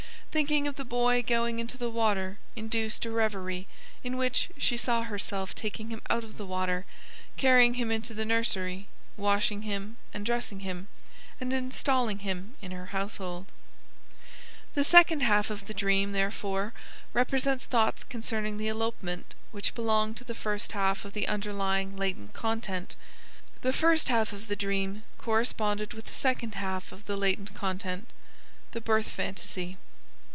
Thinking of the boy going into the water induced a reverie in which she saw herself taking him out of the water, carrying him into the nursery, washing him and dressing him, and installing him in her household. The second half of the dream, therefore, represents thoughts concerning the elopement, which belonged to the first half of the underlying latent content; the first half of the dream corresponded with the second half of the latent content, the birth phantasy.